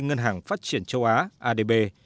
ngân hàng phát triển châu á adb